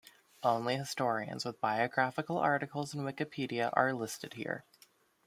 Only historians with biographical articles in Wikipedia are listed here.